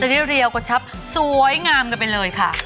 ได้เรียวกระชับสวยงามกันไปเลยค่ะ